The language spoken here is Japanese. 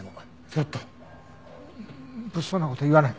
ちょっと物騒な事を言わない。